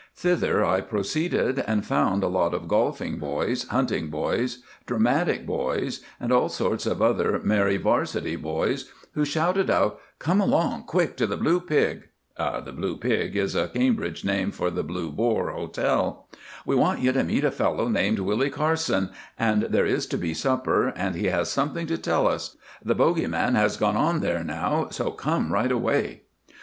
Thither I proceeded, and found a lot of golfing boys, hunting boys, dramatic boys, and all sorts of other merry 'Varsity boys, who shouted out "Come along quick to the Blue Pig" (the "Blue Pig" is a Cambridge name for the Blue Boar Hotel), "we want you to meet a fellow called Willie Carson, and there is to be supper, and he has something to tell us. The 'Bogie Man' has gone on there now, so come right away."